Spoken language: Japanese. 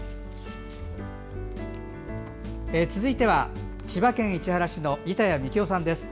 続いては、千葉県市原市の板谷三喜男さんです。